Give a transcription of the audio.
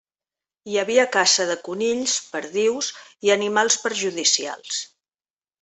Hi havia caça de conills, perdius i animals perjudicials.